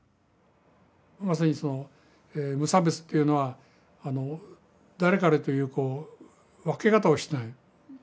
まさにその無差別というのは誰かれというこう分け方をしない。